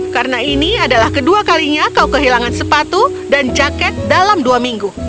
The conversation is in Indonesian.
karena ini adalah kedua kalinya kau kehilangan sepatu dan jaket dalam dua minggu